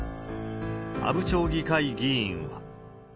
阿武町議会議員は。